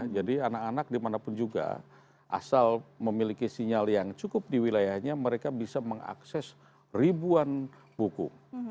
jadi anak anak dimanapun juga asal memiliki sinyal yang cukup di wilayahnya mereka bisa mengakses ribuan buku